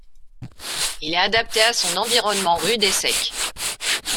Il est adapté à son environnement rude et sec.